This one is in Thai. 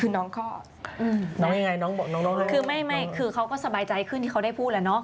คือน้องก็อืมน้องยังไงน้องบอกน้องน้องคือไม่ไม่คือเขาก็สบายใจขึ้นที่เขาได้พูดแล้วเนาะ